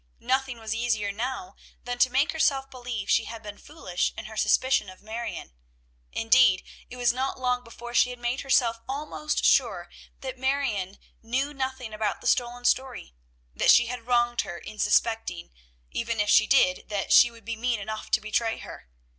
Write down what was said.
Nothing was easier now than to make herself believe she had been foolish in her suspicion of Marion; indeed, it was not long before she had made herself almost sure that Marion knew nothing about the stolen story, that she had wronged her in suspecting, even if she did, that she would be mean enough to betray her.